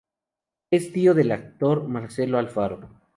Es tío del actor Marcelo Alfaro.